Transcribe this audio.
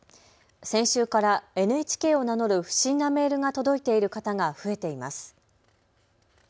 先週からＮＨＫを名乗る不審なメールが届いている方が増えています。